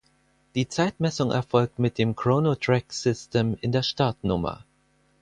Die Zeitmessung erfolgt mit dem Chrono Track System in der Startnummer.